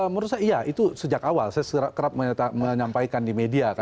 menurut saya iya itu sejak awal saya kerap menyampaikan di media